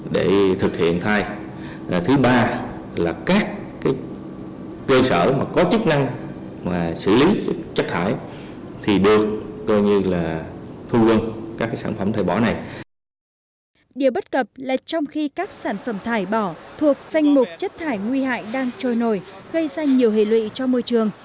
điều bắt gặp là trong khi các sản phẩm thải bỏ thuộc danh mục chất thải nguy hại đang trôi nổi gây ra nhiều hệ lụy cho môi trường